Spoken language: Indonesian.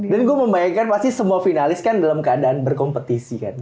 dan gue membayangkan pasti semua finalis kan dalam keadaan berkompetisi kan